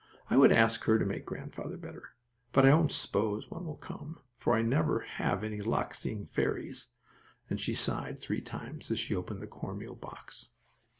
I would ask her to make grandfather better. But I don't s'pose one will come, for I never have any luck seeing fairies," and she sighed three times as she opened the cornmeal box.